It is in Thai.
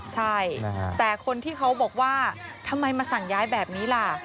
ใช่แต่คนที่เขาบอกว่าทำไมมาสั่งย้ายแบบนี้ล่ะ